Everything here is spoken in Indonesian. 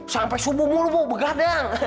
sampai subuh mulu bu begadang